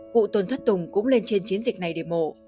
cụ tôn thất tùng cũng lên trên chiến dịch này để mổ